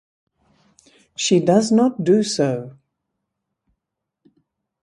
She does not do so.